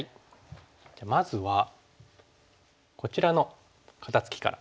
じゃあまずはこちらの肩ツキから。